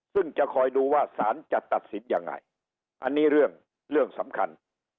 ซึ่งจะคอยดูว่าสารจะตัดสินยังไงอันนี้เรื่องเรื่องสำคัญ